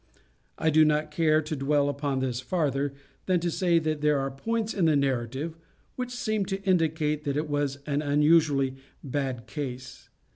I do not care to dwell upon this farther than to say that there are points in the narrative which seem to indicate that it was an unusually bad case.